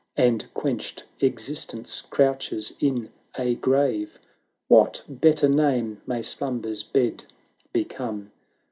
A.nd quenched Existence crouches in a grave. What better name may Slumber's bed become